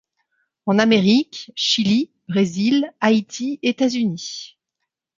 En Amérique: Chili, Brésil, Haïti, États-Unis.